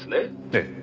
ええ。